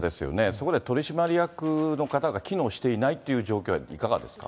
そこで取締役の方が機能していないという状況はいかがですか。